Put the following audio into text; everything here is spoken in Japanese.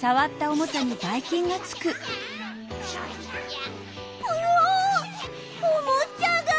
おもちゃが！